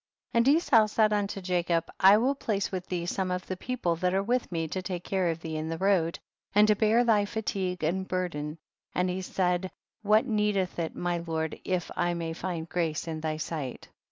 70. And Esau said unto Jacob, I will place with thee some of the^ people that are with me to take care of thee in the road, and to bear thy fatigue and burden, and he said, what necdelh it my lord, if I may find grace in thy sight